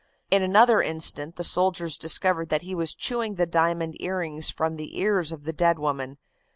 In another instant the soldiers discovered that he was chewing the diamond earrings from the ears of the dead woman.